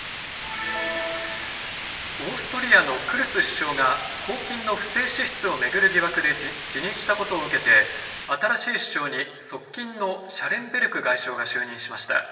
オーストリアのクルツ首相が公金の不正支出を巡る疑惑で辞任したことを受けて新しい首相に側近のシャレンベルク外相が就任しました。